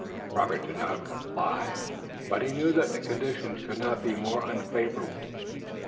Robert did not reply, but he knew that the conditions could not be more unfavorable.